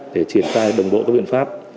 để triển khai đồng bộ các biện pháp